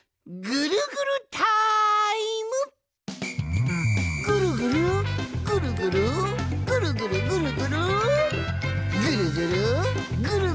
「ぐるぐるぐるぐるぐるぐるぐるぐる」